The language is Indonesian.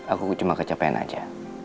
aku cuma kecapean aja